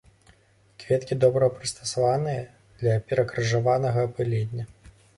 Кветкі добра прыстасаваныя для перакрыжаванага апылення.